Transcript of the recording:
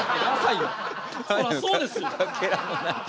そらそうですよ。